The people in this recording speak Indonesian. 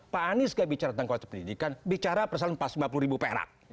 pak anies nggak bicara tentang kualitas pendidikan bicara pas rp lima puluh perak